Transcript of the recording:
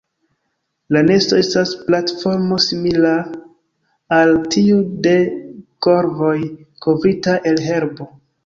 La nesto estas platformo simila al tiu de korvoj kovrita el herbo.